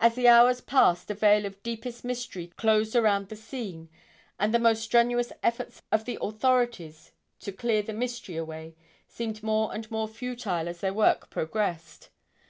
As the hours passed a veil of deepest mystery closed around the scene and the most strenuous efforts of the authorities to clear the mystery away seemed more and more futile as their work progressed.